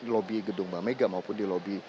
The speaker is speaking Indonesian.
lobi gedung bamega maupun di lobi